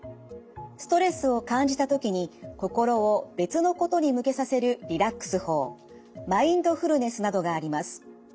ストレスを感じた時に心を別のことに向けさせるリラックス法マインドフルネスなどがあります。